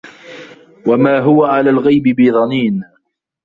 وَما هُوَ عَلَى الغَيبِ بِضَنينٍ